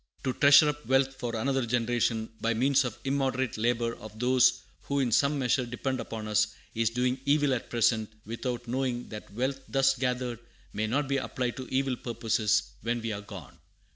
"To treasure up wealth for another generation, by means of the immoderate labor of those who in some measure depend upon us, is doing evil at present, without knowing that wealth thus gathered may not be applied to evil purposes when we are gone.